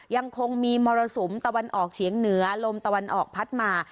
ยังคงมีมรสุมตะวันออกเฉียงเหนือลมตะวันออกพัดมา